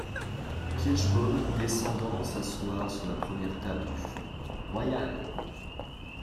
Kirschbaum, descendant s’asseoir sur la première table du fond. — Royal !